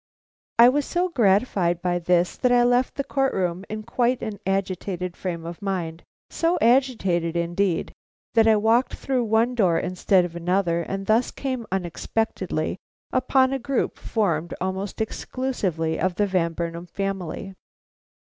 I was so gratified by this that I left the court room in quite an agitated frame of mind, so agitated, indeed, that I walked through one door instead of another, and thus came unexpectedly upon a group formed almost exclusively of the Van Burnam family.